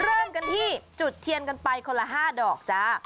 เริ่มกันที่จุดเทียนกันไปคนละ๕ดอกจ้า